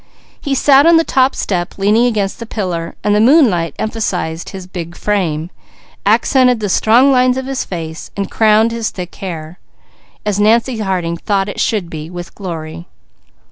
He sat on the top step leaning against the pillar where the moonlight emphasized his big frame, accented the strong lines of his face and crowned his thick hair, as Nancy Harding thought it should be, with glory.